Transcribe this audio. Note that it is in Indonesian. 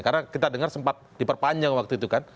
karena kita dengar sempat diperpanjang waktu itu kan